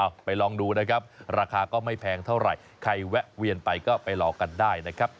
ใครแวะเวียนไปก็ไปรอกันได้นะครับ